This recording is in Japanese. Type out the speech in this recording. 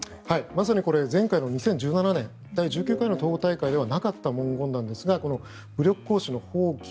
まさにこれ前回の２０１７年第１９回の党大会ではなかった文言なんですが武力行使の放棄